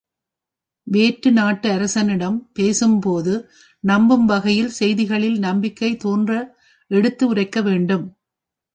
வேற்று நாட்டு அரசனிடம் பேசும்போது நம்பும் வகையில் செய்திகளில் நம்பிக்கை தோன்ற எடுத்து உரைக்க வேண்டும்.